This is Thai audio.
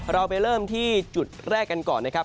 เราไปเริ่มที่จุดแรกกันก่อนนะครับ